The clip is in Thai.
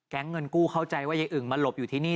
เงินกู้เข้าใจว่ายายอึ่งมาหลบอยู่ที่นี่